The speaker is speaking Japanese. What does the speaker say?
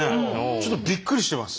ちょっとびっくりしてます。